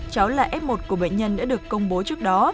cháu là f một của bệnh nhân đã được công bố trước đó